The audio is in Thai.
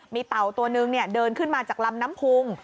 มีเต่าตัวนึงเดินขึ้นมาจากลำน้ำพุง